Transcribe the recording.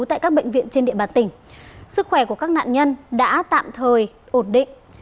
tại các bệnh viện trên địa bàn tỉnh sức khỏe của các nạn nhân đã tạm thời ổn định